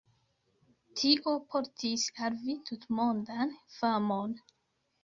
Tio portis al vi tutmondan famon.